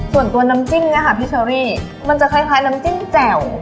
ส่วนตัวน้ำจิ้มเนี่ยค่ะพี่เชอรี่มันจะคล้ายน้ำจิ้มแจ่ว